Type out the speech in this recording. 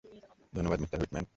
ধন্যবাদ, mister Whitman.